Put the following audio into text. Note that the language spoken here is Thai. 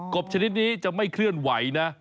บชนิดนี้จะไม่เคลื่อนไหวนะ